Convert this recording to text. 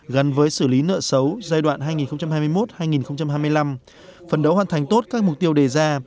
gắn với xử lý nợ xấu giai đoạn hai nghìn hai mươi một hai nghìn hai mươi năm phấn đấu hoàn thành tốt các mục tiêu đề ra